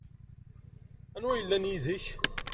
Anwa i yellan yid-k?